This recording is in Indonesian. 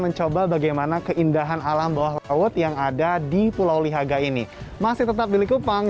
mencoba bagaimana keindahan alam bawah laut yang ada di pulau lihaga ini masih tetap di likupang